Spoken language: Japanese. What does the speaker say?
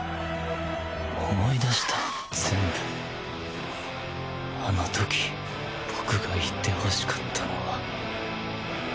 思い出した全部あの時僕が言ってほしかったのは